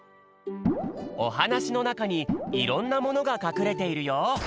おはなしのなかにいろんなものがかくれているよ。